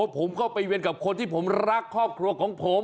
ผมก็ไปเวียนกับคนที่ผมรักครอบครัวของผม